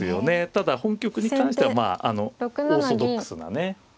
ただ本局に関してはオーソドックスなね